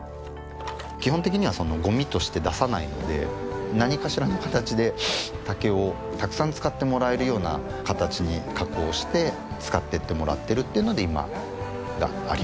基本的にはゴミとして出さないので何かしらの形で竹をたくさん使ってもらえるような形に加工して使っていってもらってるっていうので今がありますね。